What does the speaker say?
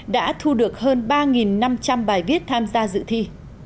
đã thu được hơn ba năm trăm linh bài viết tham gia dự thi